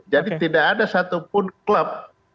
jadi tidak ada satupun klub